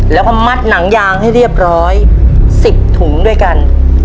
แล้วก็มัดหนังยางให้เรียบร้อย๑๐ถุงด้วยกัน